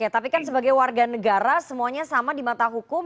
tapi kan sebagai warga negara semuanya sama di mata hukum